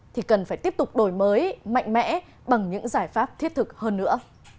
thì cần phải tiếp tục đổi mới mạnh mẽ bằng những giải pháp thiết thực hơn nữa